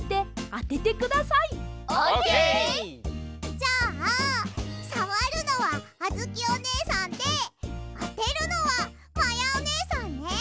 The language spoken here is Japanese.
じゃあさわるのはあづきおねえさんであてるのはまやおねえさんね！